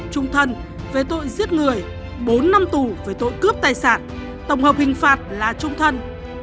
trung thân về tội giết người bốn năm tù về tội cướp tài sản tổng hợp hình phạt là trung thân